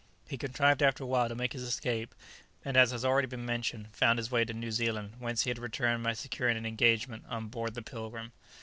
He contrived after a while to make his escape, and, as has been already mentioned, found his way to New Zealand, whence he had returned by securing an engagement on board the "Pilgrim."